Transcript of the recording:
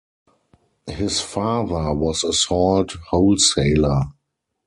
His father was a salt wholesaler.